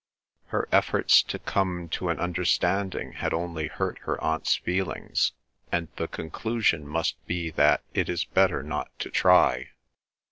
Her efforts to come to an understanding had only hurt her aunt's feelings, and the conclusion must be that it is better not to try.